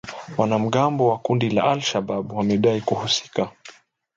Wanamgambo wa kundi la A-Shabaab wamedai kuhusika